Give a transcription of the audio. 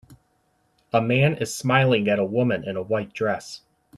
A man is smiling at a woman in a white dress.